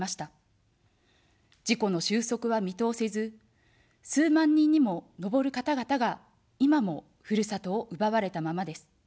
事故の収束は見通せず、数万人にものぼる方々が今もふるさとを奪われたままです。